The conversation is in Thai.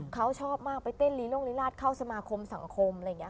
เขาชอบมากไปเต้นลีโรงลีราชเข้าสมาคมสังคมอะไรอย่างนี้ค่ะ